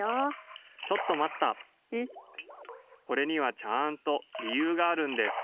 ・これにはちゃんとりゆうがあるんです。